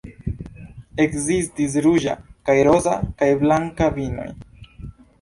Ekzistis ruĝa kaj roza kaj blanka vinoj.